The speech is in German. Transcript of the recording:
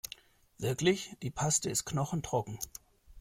Wirklich, die Paste ist knochentrocken.